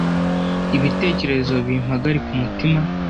ibitekerezo bimpagarika umutima